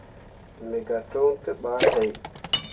Me gah toŋ te bah he.